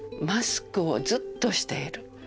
マスクをずっとしている。